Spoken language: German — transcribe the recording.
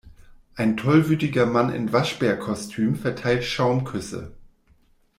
Ein tollwütiger Mann in Waschbärkostüm verteilt Schaumküsse.